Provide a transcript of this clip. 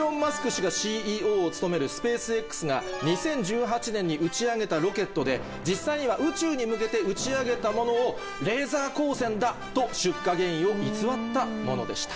氏がＣＥＯを務めるスペースＸが２０１８年に打ち上げたロケットで実際には宇宙に向けて打ち上げたものを「レーザー光線だ」と出火原因を偽ったものでした。